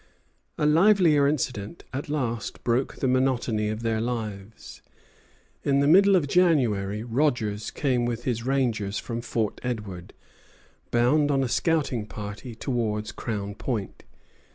A livelier incident at last broke the monotony of their lives. In the middle of January Rogers came with his rangers from Fort Edward, bound on a scouting party towards Crown Point.